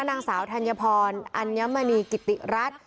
นางสาวธัญพรอัญมณีกิติรัฐ